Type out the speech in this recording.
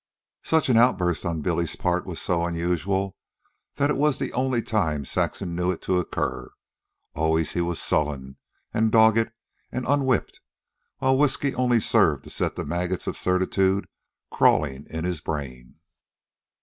Such an outburst on Billy's part was so unusual that it was the only time Saxon knew it to occur. Always he was sullen, and dogged, and unwhipped; while whisky only served to set the maggots of certitude crawling in his brain.